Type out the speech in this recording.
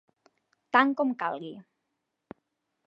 Tant com calgui.